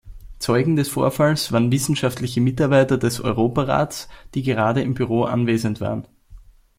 Zeugen des Vorfalls waren wissenschaftliche Mitarbeiter des Europarats, die gerade im Büro anwesend waren.